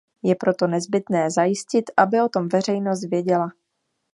Je proto nezbytné zajistit, aby o tom veřejnost věděla.